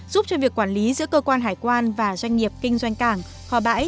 giúp cho việc quản lý giữa cơ quan hải quan và doanh nghiệp kinh doanh cảng kho bãi